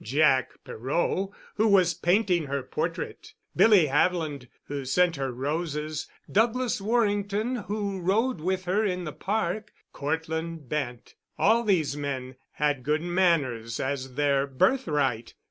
Jack Perot, who was painting her portrait; Billy Haviland, who sent her roses; Douglas Warrington, who rode with her in the park; Cortland Bent—all these men had good manners as their birthright.